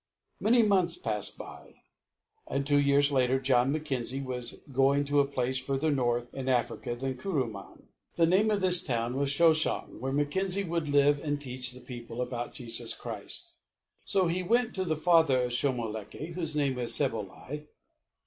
Many months passed by; and two years later John Mackenzie was going to a place further north in Africa than Kuruman. The name of this town was Shoshong, where Mackenzie would live and teach the people about Jesus Christ. So he went to the father of Shomolekae, whose name was Sebolai.